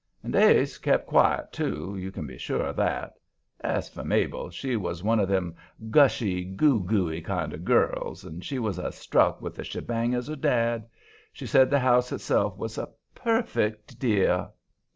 And Ase kept quiet, too, you can be sure of that. As for Mabel, she was one of them gushy, goo gooey kind of girls, and she was as struck with the shebang as her dad. She said the house itself was a "perfect dear."